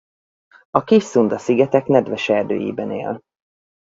A Kis-Szunda-szigetek nedves erdőiben él.